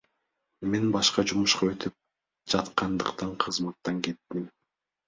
Мен башка жумушка өтүп жаткандыктан кызматтан кеттим.